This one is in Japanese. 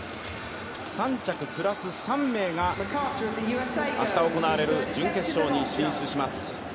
３着プラス３名が明日行われる準決勝に進出します。